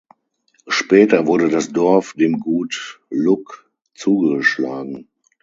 Später wurde das Dorf dem Gut Luk zugeschlagen.